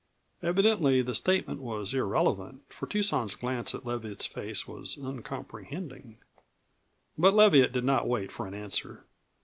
Evidently the statement was irrelevant, for Tucson's glance at Leviatt's face was uncomprehending. But Leviatt did not wait for an answer.